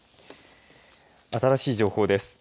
新しい情報です。